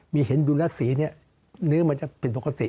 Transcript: มีเห็นดูและสีนี่เนื้อมันจะเป็นปกติ